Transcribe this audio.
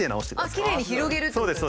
きれいに広げるってことですか？